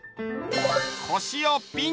こしをピン！